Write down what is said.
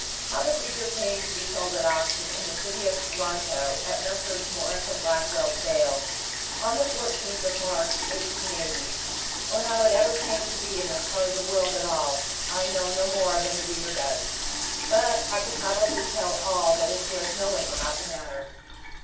How the figure came to be sold by auction, in the city of Toronto, at Messrs. Morris & Blackwell's sale on the 14th of March, 1880, or how it ever came to be in this part of the world at all, I know no more than the reader does; but I can probably tell all that is worth knowing about the matter.